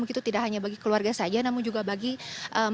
begitu tidak hanya bagi keluarga saja namun juga bagi mereka